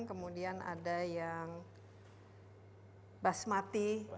kemudian ada yang basmati